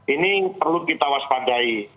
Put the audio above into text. ini perlu kita waspadai